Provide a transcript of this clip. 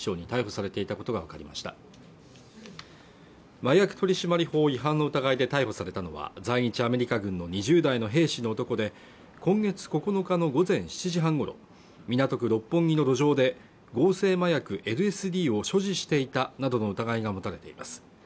麻薬取締法違反の疑いで逮捕されたのは在日アメリカ軍の２０代の兵士の男で今月９日の午前７時半ごろ港区六本木の路上で合成麻薬ＬＳＤを所持していたなどの疑いが持たれています